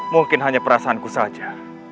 mungkin hanya perasaanku saja